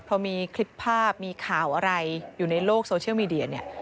พอมีคลิปภาพมีข่าวอะไรอยู่ในโลกโซเชียลมีเดียเนี่ย